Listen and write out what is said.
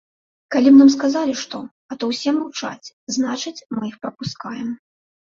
Калі б нам сказалі што, а то ўсе маўчаць, значыць, мы іх прапускаем.